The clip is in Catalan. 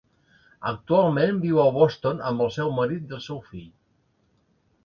Actualment viu a Boston amb el seu marit i el seu fill.